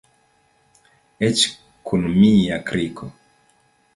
Eĉ kun mia kriko.